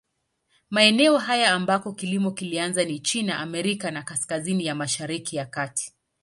Maeneo haya ambako kilimo kilianza ni China, Amerika ya Kaskazini na Mashariki ya Kati.